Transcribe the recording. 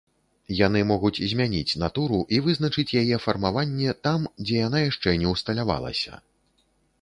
Яны могуць змяніць натуру і вызначыць яе фармаванне там, дзе яна яшчэ не ўсталявалася.